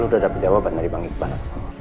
lo udah dapet jawaban dari bang iqbal